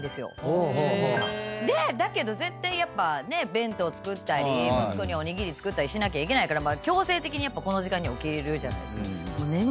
だけど絶対やっぱね弁当作ったり息子におにぎり作ったりしなきゃいけないから強制的にこの時間に起きるじゃないですか眠た過ぎて眠た過ぎて。